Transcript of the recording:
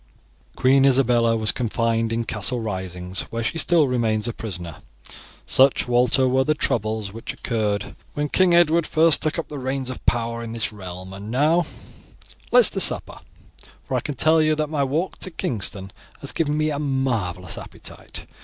"Queen Isabella was confined in Castle Risings where she still remains a prisoner. Such, Walter, were the troubles which occurred when King Edward first took up the reins of power in this realm; and now, let's to supper, for I can tell you that my walk to Kingston has given me a marvellous appetite.